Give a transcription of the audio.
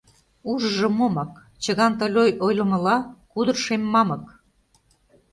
Ужыжо момак — Чыган Тольой ойлымыла, кудыр шем мамык.